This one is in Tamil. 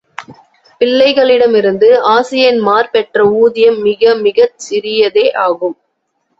பிள்ளைகளிடமிருந்து ஆசிரியன்மார் பெற்ற ஊதியம் மிக மிகச் சிறிதே ஆகும்.